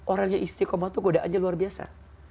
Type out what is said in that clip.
orang yang istiqomah itu godaannya luar biasa